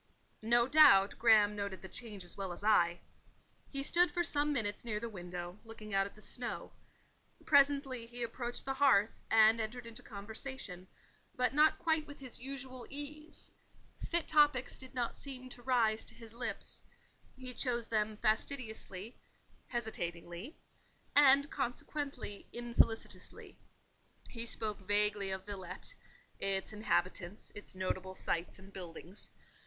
No doubt Graham noted the change as well as I. He stood for some minutes near the window, looking out at the snow; presently he, approached the hearth, and entered into conversation, but not quite with his usual ease: fit topics did not seem to rise to his lips; he chose them fastidiously, hesitatingly, and consequently infelicitously: he spoke vaguely of Villette—its inhabitants, its notable sights and buildings.